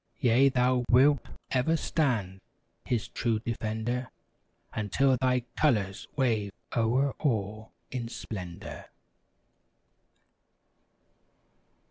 Yea! thou wilt ever stand. His true defender. Until thy colors wave o'er all in splendor.